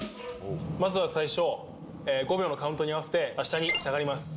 まずは最初５秒のカウントに合わせて下に下がります。